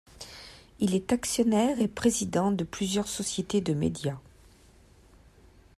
Il est actionnaire et président de plusieurs sociétés de médias.